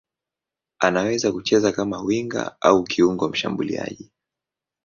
Anaweza kucheza kama winga au kiungo mshambuliaji.